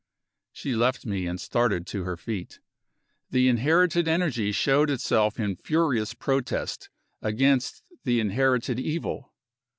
She left me, and started to her feet. The inherited energy showed itself in furious protest against the inherited evil.